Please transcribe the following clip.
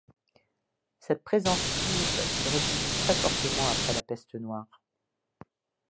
Cette présence juive se réduisit très fortement après la Peste noire.